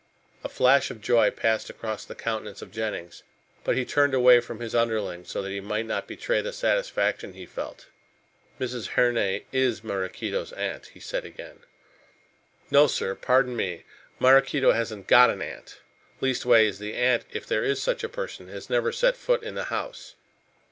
A flash of joy passed across the countenance of Jennings, but he turned away from his underling so that he might not betray the satisfaction he felt. "Mrs. Herne is Maraquito's aunt," he said again. "No, sir, pardon me. Maraquito hasn't got an aunt. Leastways the aunt, if there is such a person, has never set foot in the house."